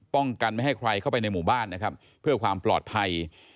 ป้องกันไม่ให้ใครเข้าไปในหมู่บ้านนะครับเพื่อความปลอดภัย